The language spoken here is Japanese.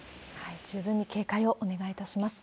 十分に警戒をお願いいたします。